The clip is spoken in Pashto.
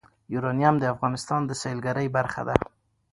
یورانیم د افغانستان د سیلګرۍ برخه ده.